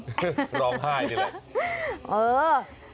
ร้องไห้ดีเลย